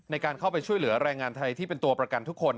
ในการเข้าไปช่วยเหลือแรงงานไทยที่เป็นตัวประกันทุกคน